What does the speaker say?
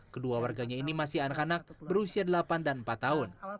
kedua warganya ini masih anak anak berusia delapan dan empat tahun